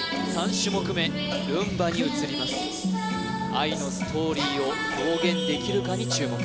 ３種目目ルンバに移ります愛のストーリーを表現できるかに注目